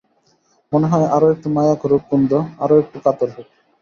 মনে হয় আরও একটু মায়া করুক কুন্দ, আরও একটু কাতর হোক।